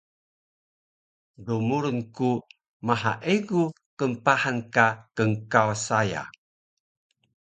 Dmurun ku maha egu knpahan ka knkawas saya